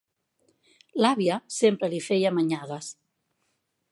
L'àvia sempre li feia manyagues.